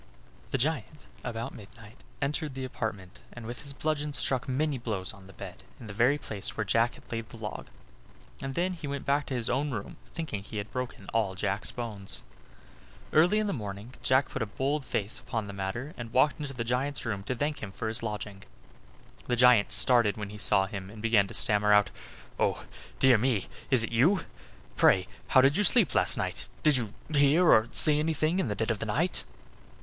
The giant, about midnight, entered the apartment, and with his bludgeon struck many blows on the bed, in the very place where Jack had laid the log; and then he went back to his own room, thinking he had broken all Jack's bones. Early in the morning Jack put a bold face upon the matter, and walked into the giant's room to thank him for his lodging. The giant started when he saw him, and began to stammer out: "Oh! dear me; is it you? Pray how did you sleep last night? Did you hear or see anything in the dead of the night?"